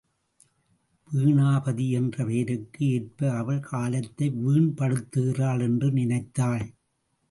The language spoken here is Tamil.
வீணாபதி என்ற பெயருக்கு ஏற்ப அவள் காலத்தை வீண்படுத்துகிறாள் என்று நினைத்தாள்.